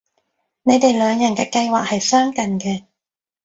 你哋兩人嘅計劃係相近嘅